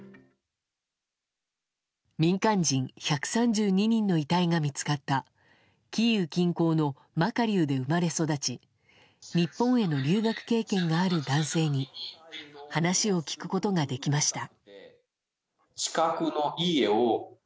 民間人１３２人の遺体が見つかったキーウ近郊のマカリウで生まれ育ち日本への留学経験がある男性に話を聞くことができました。